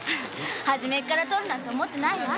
初めっからとおるなんて思ってないわ。